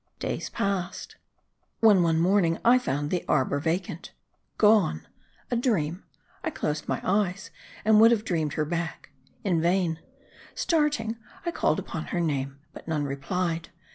Days passed. When one morning I found the arbor vacant. Gone ! A dream. I closed my eyes, and would M A R D I. 229 have dreamed her back. In vain. Starting, I called upon her name ; but none replied.